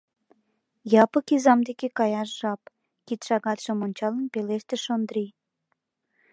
— Якып изам деке каяш жап, — кид шагатшым ончалын, пелештыш Ондрий.